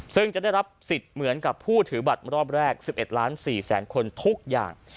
ซึ่งจะได้รับสิทธิ์เหมือนกับผู้ถือบัตรรอบแรก๑๑ล้าน๔แสนคนทุกอย่าง